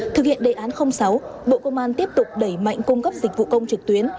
thực hiện đề án sáu bộ công an tiếp tục đẩy mạnh cung cấp dịch vụ công trực tuyến